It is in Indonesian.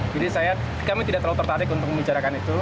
jadi saya kami tidak terlalu tertarik untuk membicarakan itu